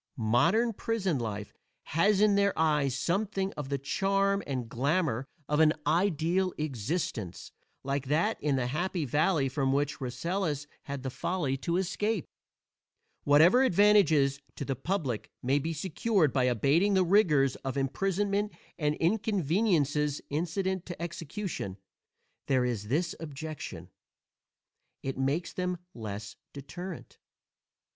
Modern prison life has in their eyes something of the charm and glamor of an ideal existence, like that in the Happy Valley from which Rasselas had the folly to escape. Whatever advantages to the public may be secured by abating the rigors of imprisonment and inconveniences incident to execution, there is this objection: it makes them less deterrent.